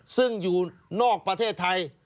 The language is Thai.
ซึ่งอยู่นอกประเทศไทย